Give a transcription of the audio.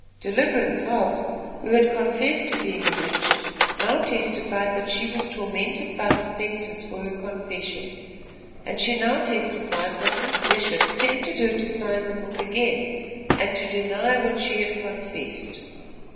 Deliverance Hobbs, who had confessed to being a witch, now testified that she was tormented by the spectres for her confession. And she now testified that this Bishop tempted her to sign the book again, and to deny what she had confessed.